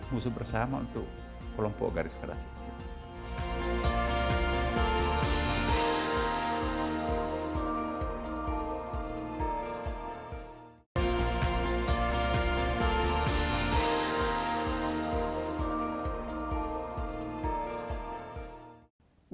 musuh bersama untuk kelompok garis keras ini